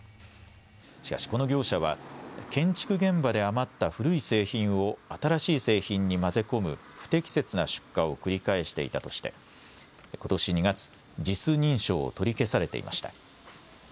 しかし、この業者は建築現場で余った古い製品を新しい製品に混ぜ込む不適切な出荷を繰り返していたとしてことし２月、ＪＩＳ認証を取り消されていました。